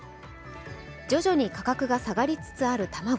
徐々に価格が下がりつつある卵。